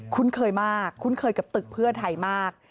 คุ้นเคยมากคุ้นเคยกับตึกเพื่อไทยมาก